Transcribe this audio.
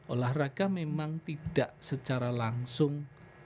olahraga memang tidak secara langsung